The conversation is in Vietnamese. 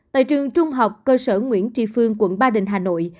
tại trường trung học cơ sở nguyễn tri phương quận ba đình hà nội